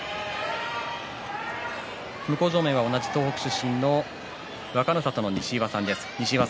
向正面、同じく東北出身の若の里の西岩さんです。